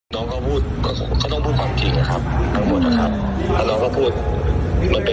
นอกเนี่ยตัวเจตนาของเขาคืออะไร